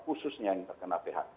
khususnya yang terkena phk